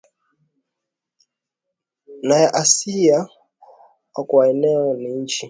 na ya Asia Kwa eneo ni nchi